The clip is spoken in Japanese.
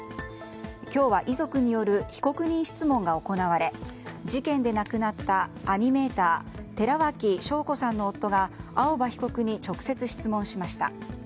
今日は遺族による被告人質問が行われ事件で亡くなったアニメーター寺脇晶子さんの夫が青葉被告に直接質問しました。